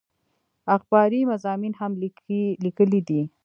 اخباري مضامين هم ليکلي دي